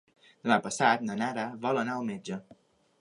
Demà passat na Nara vol anar al metge.